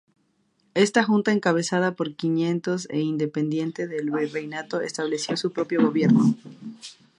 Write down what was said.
Esta junta encabezada por quiteños e independiente del virreinato estableció su propio gobierno.